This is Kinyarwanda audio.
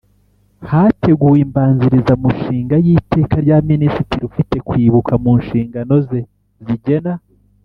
Hateguwe imbanzirizamushinga y Iteka rya Minisitiri ufite kwibuka mu nshingano ze rigena